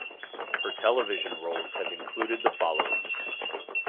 Her television roles have included the following.